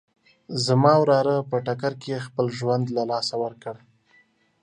زما وراره په ټکر کې خپل ژوند له لاسه ورکړ